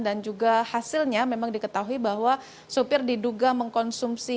dan juga hasilnya memang diketahui bahwa sopir diduga mengkonsumsi